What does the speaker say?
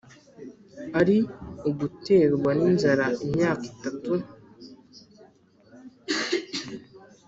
ari uguterwa n inzara imyaka itatu